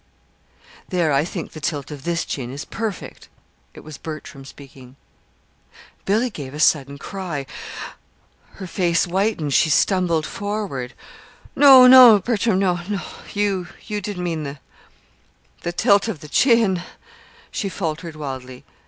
"There, I think the tilt of this chin is perfect." It was Bertram speaking. Billy gave a sudden cry. Her face whitened. She stumbled forward. "No, no, Bertram, you you didn't mean the the tilt of the chin," she faltered wildly.